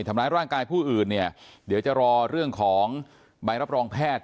ทำร้ายร่างกายผู้อื่นเนี่ยเดี๋ยวจะรอเรื่องของใบรับรองแพทย์